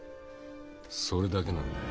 それだけなんだよ。